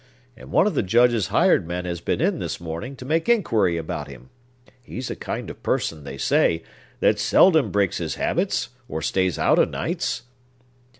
And one of the Judge's hired men has been in, this morning, to make inquiry about him. He's a kind of person, they say, that seldom breaks his habits, or stays out o' nights."